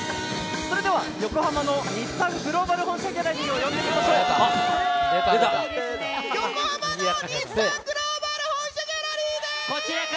それでは、横浜の日産グローバル本社ギャラリーを呼んでみましょうか。